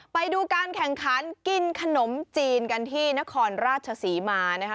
ไปดูการแข่งขันกินขนมจีนกันที่นครราชศรีมานะคะ